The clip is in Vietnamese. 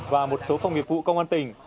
và một số phòng nghiệp vụ công an tỉnh